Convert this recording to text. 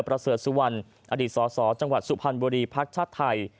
ประเสริฐสู่วันอดีตสรจังหวัดสุพันธ์บริบัรกษาชาติไทย